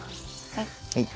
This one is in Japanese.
はい。